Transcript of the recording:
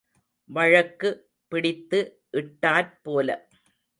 வழக்கு பிடித்து இட்டாற் போல.